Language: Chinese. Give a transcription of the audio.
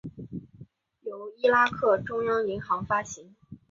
由伊拉克中央银行发行。